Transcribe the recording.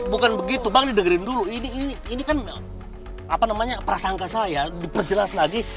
bukan begitu bang didegerin dulu ini kan prasangka saya diperjelas lagi